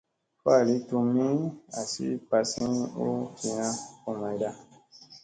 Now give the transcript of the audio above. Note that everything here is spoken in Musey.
Falii tummii asi bassi u tiina ko mayɗa.